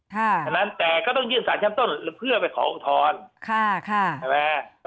เพราะฉะนั้นแต่ก็ต้องยื่นสารชั้นต้นเพื่อไปขออุทธรณ์ใช่ไหม